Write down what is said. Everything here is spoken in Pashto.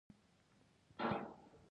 په افغانستان کې زراعت ډېر زیات اهمیت لري.